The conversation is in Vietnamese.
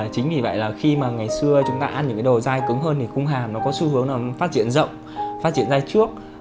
chính vì vậy là khi mà ngày xưa chúng ta ăn những cái đồ dai cứng hơn thì cung hàm nó có xu hướng nó phát triển rộng phát triển ra trước